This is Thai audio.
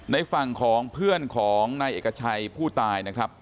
ในฝั่งของเพื่อนของนายเอกชัยผู้ตายนะครับ